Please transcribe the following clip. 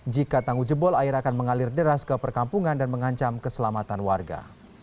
jika tangguh jebol air akan mengalir deras ke perkampungan dan mengancam keselamatan warga